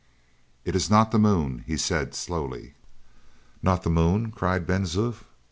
"It is not the moon," he said slowly. "Not the moon?" cried Ben Zoof.